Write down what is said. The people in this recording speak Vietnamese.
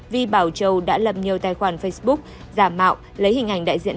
vi bảo châu đã lập nhiều tài khoản facebook giả mạo lấy hình ảnh đại diện